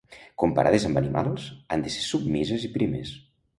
Comparades amb animals, han de ser submises i primes.